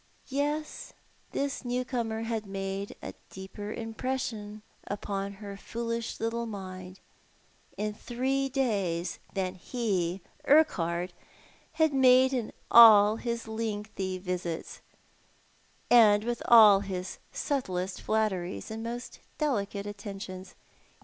Yes, this new comer had made a deeper impression upon her foolish little mind in three days than he, Urquhart, had made in all his lengthy visits, and with all his subtlest flatteries and most delicate attentions.